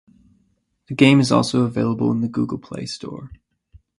The game is also available in the Google Play Store.